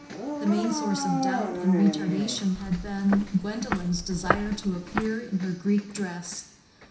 The main source of doubt and retardation had been Gwendolen's desire to appear in her Greek dress.